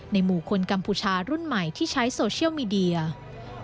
หมู่คนกัมพูชารุ่นใหม่ที่ใช้โซเชียลมีเดีย